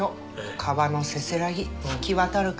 川のせせらぎ吹き渡る風。